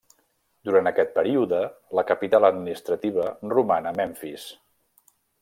Durant aquest període, la capital administrativa roman a Memfis.